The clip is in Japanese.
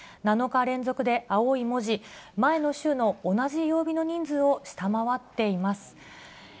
７日連続で青い文字、前の週の同じ曜日の人数を下回っています。